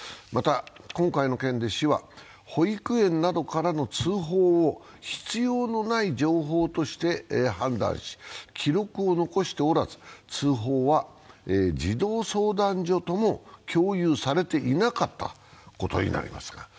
また、今回の件で市は、保育園などからの通報を必要のない情報として判断し記録を残しておらず、通報は児童相談所とも共有されていなかったことになります。